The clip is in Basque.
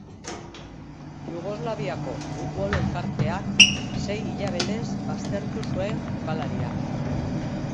Jugoslaviako Futbol Elkarteak sei hilabetez baztertu zuen jokalaria.